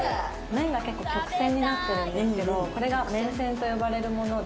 麺が結構曲線になってるんですけどこれが。と呼ばれるもので。